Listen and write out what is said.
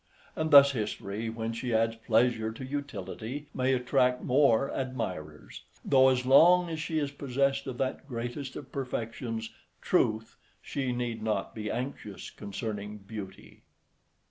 And thus history, when she adds pleasure to utility, may attract more admirers; though as long as she is possessed of that greatest of perfections, truth, she need not be anxious concerning beauty.